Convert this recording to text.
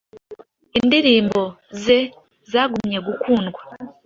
Indirimbo ze zagumye gukundwa